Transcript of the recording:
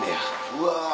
うわ。